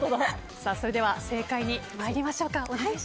それでは正解に参りましょう。